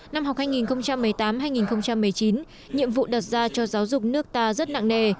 năm học hai nghìn một mươi tám hai nghìn một mươi chín nhiệm vụ đặt ra cho giáo dục nước ta rất nặng nề